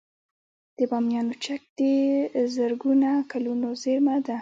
د بامیانو چک د زرګونه کلونو زیرمه ده